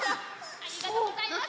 ありがとうございます！